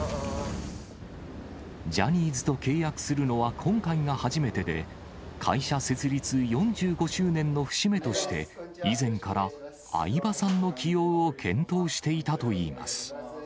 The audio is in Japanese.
ジャニーズと契約するのは今回が初めてで、会社設立４５周年の節目として、以前から相葉さんの起用を検討していたといいます。